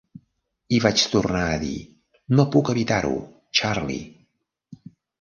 I vaig tornar a dir: "No puc evitar-ho, Charley".